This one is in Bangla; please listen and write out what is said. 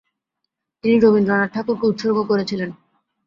তিনি রবীন্দ্রনাথ ঠাকুরকে উৎসর্গ করেছিলেন।